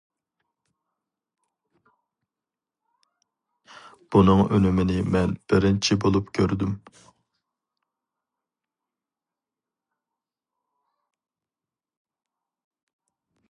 بۇنىڭ ئۈنۈمىنى مەن بىرىنچى بولۇپ كۆردۈم.